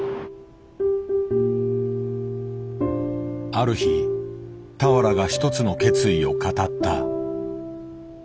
ある日俵が一つの決意を語った。